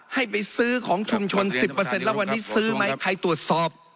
ให้ไปซื้อของชุมชน๑๐แล้ววันนี้ซื้อไหมใครตรวจสอบ